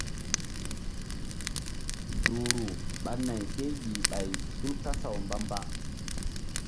Duhru ɓa nay kéyih ɓay tul kasaw mba-mba.